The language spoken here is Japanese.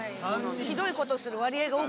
ひどいことする割合が多くなる。